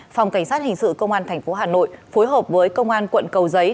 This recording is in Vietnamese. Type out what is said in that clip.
phòng cảnh sát hình sự công an tp hà nội phối hợp với công an quận cầu giấy